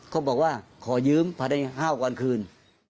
เขาบอกว่าขอยืมหากวันขึ้น